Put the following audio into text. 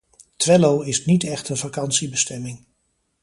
Twello is niet echt een vakantiebestemming.